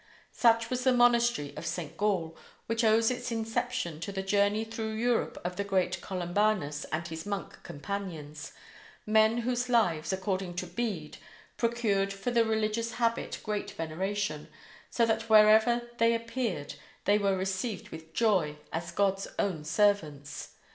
Such was the monastery of St. Gall, which owes its inception to the journey through Europe of the great Columbanus and his monk companions men whose lives, according to Bede, procured for the religious habit great veneration, so that wherever they appeared they were received with joy, as God's own servants.